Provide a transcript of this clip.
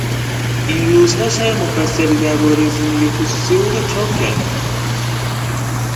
این روزها شرح مفصلیدربارهی زندگی خصوصی او را چاپ کرد.